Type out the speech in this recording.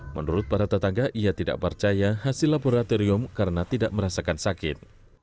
menurut para tetangga ia tidak percaya hasil laboratorium karena tidak merasakan sakit